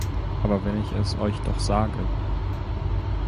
Aber wenn ich es euch doch sage!